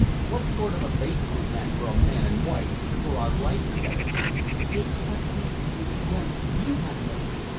"What sort of a basis is that for a man and wife, for our life together?" "It's what we what you have made it!"